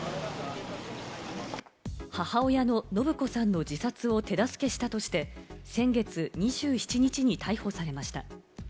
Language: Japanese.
母親の延子さんの自殺を手助けしたとして、先月２７日に逮捕されました。